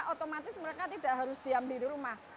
otomatis mereka tidak harus diam di rumah